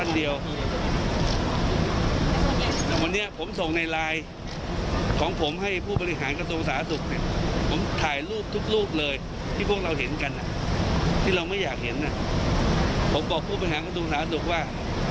เดี๋ยวลองฟังเสียงดูค่ะ